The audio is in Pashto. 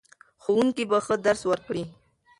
ښوونکي به ښه درس ورکړي.